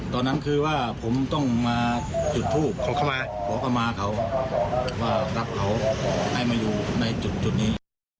ตอนนั้นคือว่าผมต้องมาจุดทูบขอเข้ามาขอเข้ามาเขาว่ารับเขาให้มาอยู่ในจุดนี้